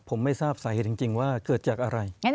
ผมไม่ทราบสาเหตุจริงว่าเกิดจากอะไร